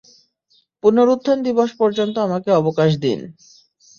পুনরুত্থান দিবস পর্যন্ত আমাকে অবকাশ দিন।